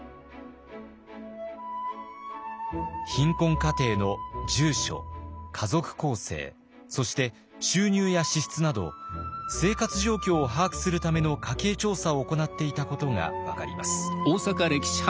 貧困家庭の住所家族構成そして収入や支出など生活状況を把握するための家計調査を行っていたことが分かります。